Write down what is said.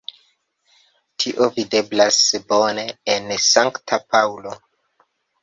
Tio videblas bone en Sankta Paŭlo.